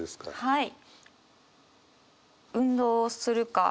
はい。